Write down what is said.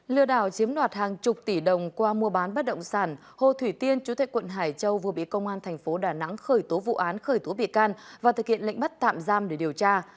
lừa đảo chiếm đoạt hàng chục tỷ đồng qua mua bán bất động sản hồ thủy tiên chú tệ quận hải châu vừa bị công an thành phố đà nẵng khởi tố vụ án khởi tố bị can và thực hiện lệnh bắt tạm giam để điều tra